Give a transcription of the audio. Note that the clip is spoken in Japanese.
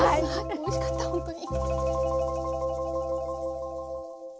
おいしかったほんとに。